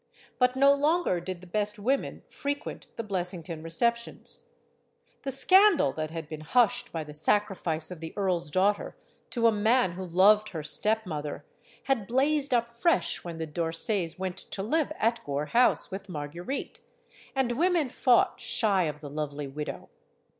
But no longer did the best women frequent the Blessington receptions. The scandal that had been hushed by the sacrifice of the earl's daughter to a man who loved her stepmother had blazed up fresh when the D'Orsays went to live at Gore House with Marguerite. And women fought shy of the lovely widow.